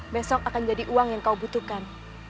besok akan jadi uang yang kau butuhkan